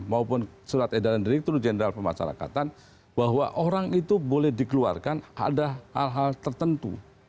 maupun surat edaran direktur jenderal pemasarakatan bahwa orang itu boleh dikeluarkan ada hal hal tertentu